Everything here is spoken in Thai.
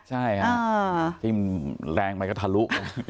ใช่ค่ะที่แรงมันก็ทะลุ